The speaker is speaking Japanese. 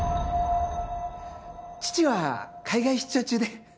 父は海外出張中で。